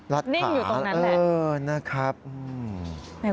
รัดขาเออนะครับนิ่งอยู่ตรงนั้นแหละ